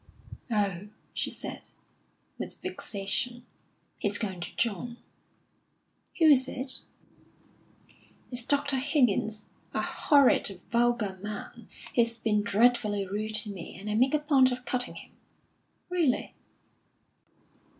"Oh," she said, with vexation, "he's going to John." "Who is it?" "It's Dr. Higgins a horrid, vulgar man. He's been dreadfully rude to me, and I make a point of cutting him." "Really?"